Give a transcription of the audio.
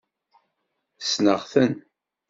Ssneɣ-ten.